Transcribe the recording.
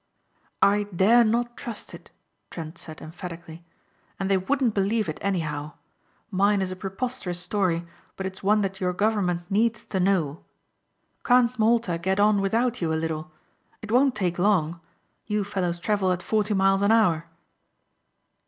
"I dare not trust it," Trent said emphatically, "and they wouldn't believe it anyhow. Mine is a preposterous story but it's one that your government needs to know. Can't Malta get on without you a little? It won't take long. You fellows travel at forty miles an hour."